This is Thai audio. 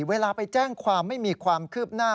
เวลาไปแจ้งความไม่มีความคืบหน้า